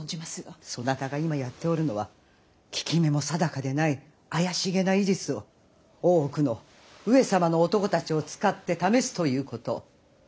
そなたが今やっておるのは効き目も定かでない怪しげな医術を大奥の上様の男たちを使って試すということ！